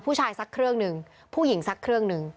สักเครื่องหนึ่งผู้หญิงสักเครื่องหนึ่ง